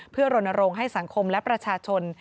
เพื่อรณรงค์ให้สังคมและประชาชน